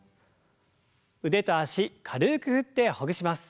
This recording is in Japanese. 腕と脚軽く振ってほぐします。